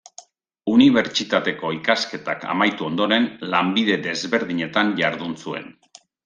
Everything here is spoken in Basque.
Unibertsitateko ikasketak amaitu ondoren, lanbide desberdinetan jardun zuen.